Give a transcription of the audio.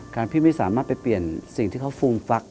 พี่ไม่สามารถไปเปลี่ยนสิ่งที่เขาฟูมฟัก